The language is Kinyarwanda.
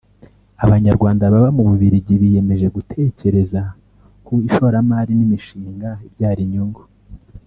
Abanyarwanda baba mu Bubiligi biyemeje gutekereza ku ishoramari n’imishinga ibyara inyungu